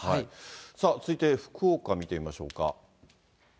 続いて福岡見てみましょうか。